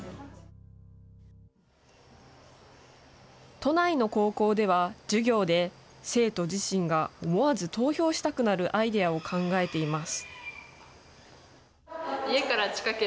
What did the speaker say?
都内の高校では、授業で、生徒自身が思わず投票したくなるアイデアを考えています。